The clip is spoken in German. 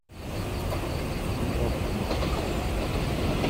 Wie auch immer.